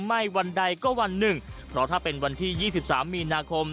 ไม่วันใดก็วันหนึ่งเพราะถ้าเป็นวันที่๒๓มีนาคม